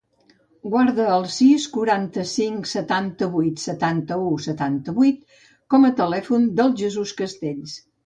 Guarda el sis, quaranta-cinc, setanta-vuit, setanta-u, setanta-vuit com a telèfon del Jesús Castells.